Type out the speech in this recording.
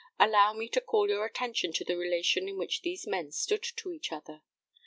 Allow me to call your attention to the relation in which these men stood to each other.